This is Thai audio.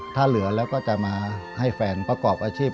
ถ้าเหลือแล้วก็จะมาให้แฟนประกอบอาชีพ